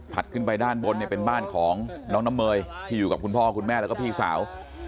ขึ้นไปด้านบนเนี่ยเป็นบ้านของน้องน้ำเมยที่อยู่กับคุณพ่อคุณแม่แล้วก็พี่สาว